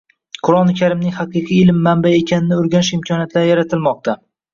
Qurʼoni karimning haqiqiy ilm manbai ekanini oʻrganish imkoniyatlari yaratilmoqda.